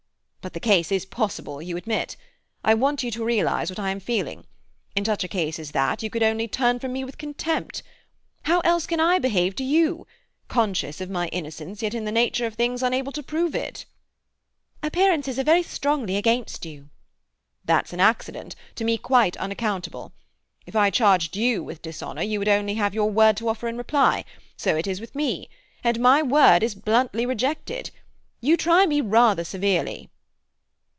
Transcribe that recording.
"But the case is possible, you must admit. I want you to realize what I am feeling. In such a case as that, you could only turn from me with contempt. How else can I behave to you—conscious of my innocence, yet in the nature of things unable to prove it?" "Appearances are very strongly against you." "That's an accident—to me quite unaccountable. If I charged you with dishonour you would only have your word to offer in reply. So it is with me. And my word is bluntly rejected. You try me rather severely."